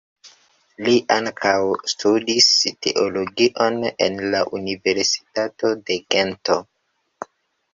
Li ankaŭ studis teologion en la Universitato de Gento.